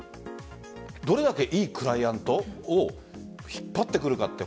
どれだけいいクライアントを引っ張ってくるかって